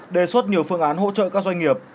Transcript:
đề xuất nhiều phương án hỗ trợ các doanh nghiệp